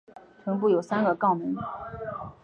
臀部有三个肛门。